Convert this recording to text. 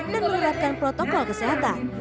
dan meliratkan protokol kesehatan